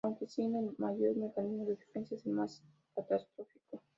Aunque en sí, el mayor mecanismo de defensa es el más catastrófico.